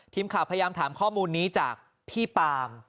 ทีมข่าวพยายามถามข้อมูลนี้จากพี่ปาม